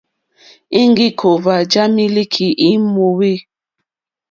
Íŋɡí kòòwà já mílíkì í mòòwê.